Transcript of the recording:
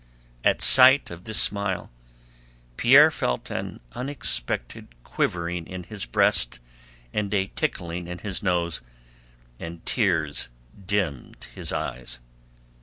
At sight of this smile Pierre felt an unexpected quivering in his breast and a tickling in his nose, and tears dimmed his eyes.